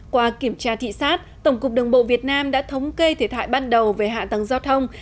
qua kiểm tra thị xát tổng cục đồng bộ việt nam đã thống kê thể thại ban đầu về hạ tầng giao thông